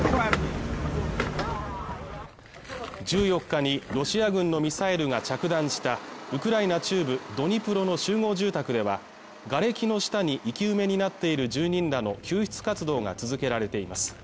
１４日にロシア軍のミサイルが着弾したウクライナ中部ドニプロの集合住宅ではがれきの下に生き埋めになっている住人らの救出活動が続けられています